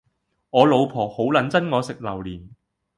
我老婆好撚憎我食榴槤